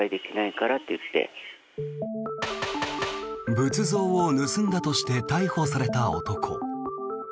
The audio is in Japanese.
仏像を盗んだとして逮捕された男。